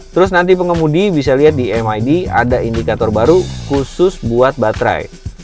terus nanti pengemudi bisa lihat di mid ada indikator baru khusus buat baterai